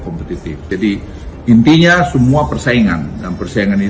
kompetitif jadi intinya kita harus membuat aturan yang membuat kita tidak kompetitif jadi intinya kita